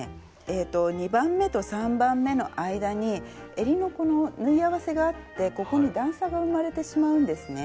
２番目と３番目の間にえりのこの縫い合わせがあってここに段差が生まれてしまうんですね。